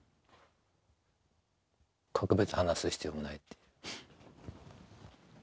特別話す必要もないって。